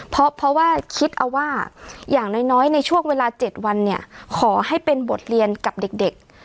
เพราะว่าคิดเอาว่าอย่างน้อยในช่วงเวลา๗วันเนี่ยขอให้เป็นบทเรียนกับเด็ก